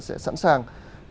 sẽ sẵn sàng